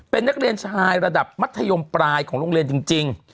เป็นนักเรียนชายระดับมัธยมปลายของโรงเรียนจริง